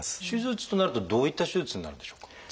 手術となるとどういった手術になるんでしょうか？